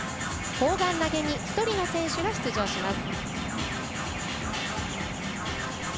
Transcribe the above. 砲丸投げに１人の選手が出場します。